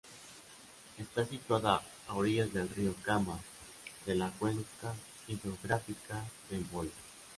Está situada a orillas del río Kama, de la cuenca hidrográfica del Volga.